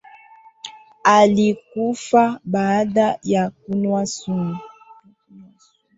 Alikufa baada ya kunywa sumu